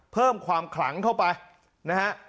เพิ่มความขลังเข้าไปนะฮะ